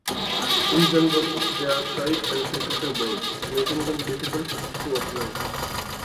In general they are shy and secretive birds, making them difficult to observe.